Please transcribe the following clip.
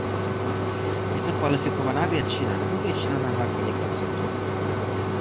Je to kvalifikovaná většina nebo většina na základě konsensu?